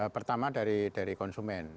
pertama dari konsumen